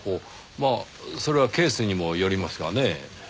まあそれはケースにもよりますがねぇ。